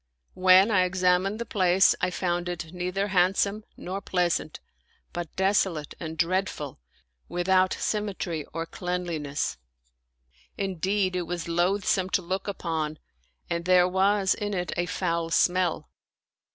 When I examined the place, I found it neither handsome nor pleasant, but desolate and dreadful without symmetry or cleanliness; indeed, it was loathsome 163 Orienial Mystery Stories to look upon and there was in it a foul smell.